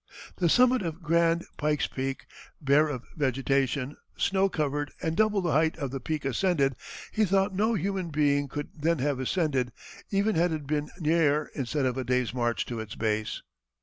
The summit of Grand (Pike's) Peak, bare of vegetation, snow covered, and double the height of the peak ascended, he thought no human being could then have ascended, even had it been near instead of a day's march to its base.